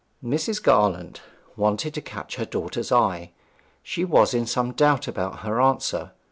Mrs. Garland wanted to catch her daughter's eye; she was in some doubt about her answer.